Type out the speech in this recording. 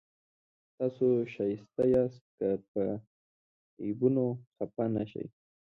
تاسو ښایسته یاست که پر عیبونو خفه نه شئ.